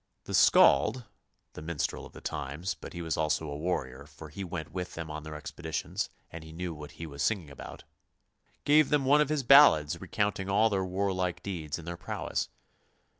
The Skald — the minstrel of the times, but he was also a warrior, for he went with them on their expeditions, and he knew what he was singing about — gave them one of his ballads recounting all their warlike deeds and their prowess.